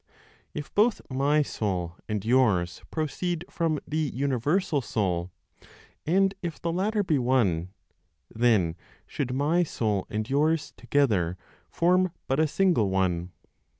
If both my soul and yours proceed from the universal (Soul), and if the latter be one, then should my soul and yours together form but a single one.